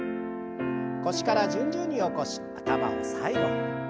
腰から順々に起こし頭を最後に。